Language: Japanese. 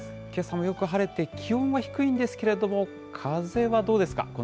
けさもよく晴れて、気温は低いんですけれども、風はどうですか？